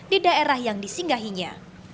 di daerah yang disinggahinya